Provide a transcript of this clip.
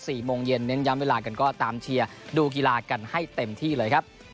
โมงเย็นเน้นย้ำเวลากันก็ตามเชียร์ดูกีฬากันให้เต็มที่เลยครับ